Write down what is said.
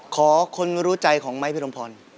ขอคนรู้ใจของไม้พิรมพร